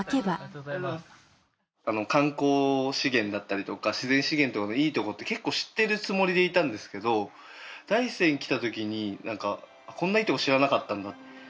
観光資源だったりとか自然資源とかのいい所って結構知っているつもりでいたんですけど大山来たときになんかこんないい所知らなかったんだって。